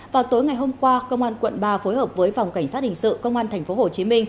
vào tối ngày hôm qua công an quận ba phối hợp với phòng cảnh sát hình sự công an tp hcm